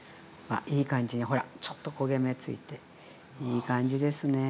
あっいい感じにほらちょっと焦げ目ついていい感じですね。